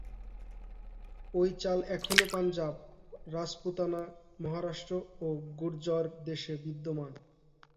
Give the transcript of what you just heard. ঐ চাল এখনও পাঞ্জাব, রাজপুতানা, মহারাষ্ট্র ও গুর্জর দেশে বিদ্যমান।